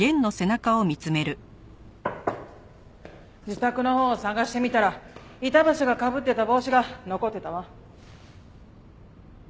自宅のほうを捜してみたら板橋がかぶってた帽子が残ってたわ。